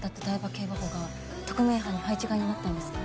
警部補が特命班に配置換えになったんですか？